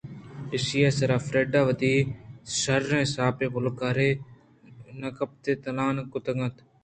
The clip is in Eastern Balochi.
ایشیءِ سرا فریڈاءَ وتی شرّیں ساپ ءُپلگاریں نپادے تا لان کُتگ اَت